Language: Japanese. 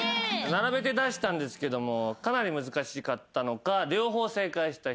並べて出したんですけどもかなり難しかったのか。